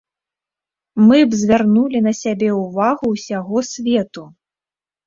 Мы б звярнулі на сябе ўвагу ўсяго свету.